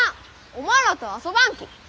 おまんらとは遊ばんき！